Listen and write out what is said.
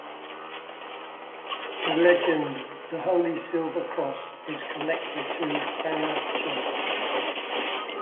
The legend "The Holy Silver Cross" is connected to Fana church.